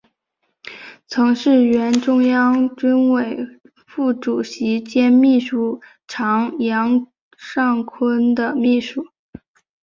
曾是原中央军委副主席兼秘书长杨尚昆的秘书。